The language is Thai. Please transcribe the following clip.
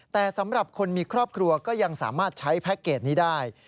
แต่สำหรับคนมีครอบครัวก็ยังสามารถใช้แพ็คเกจนี้ได้